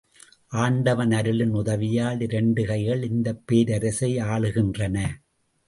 ஆண்டவன் அருளின் உதவியால், இரண்டு கைகள் இந்தப் பேரரசை ஆளுகின்றன.